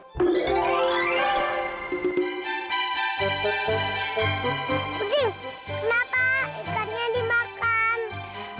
kucing kenapa ikannya dimakan